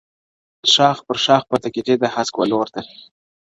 ښاخ پر ښاخ پورته کېدى د هسک و لورته-